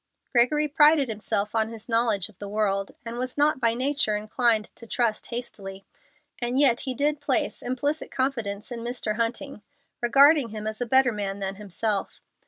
Gregory prided himself on his knowledge of the world, and was not by nature inclined to trust hastily; and yet he did place implicit confidence in Mr. Hunting, regarding him as a better man than himself.